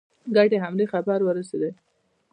ګډې حملې خبر ورسېدی.